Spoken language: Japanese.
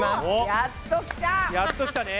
やっときたね。